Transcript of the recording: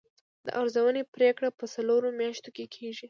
د ارزونې پریکړه په څلورو میاشتو کې کیږي.